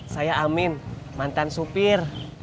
saya amin mantan supir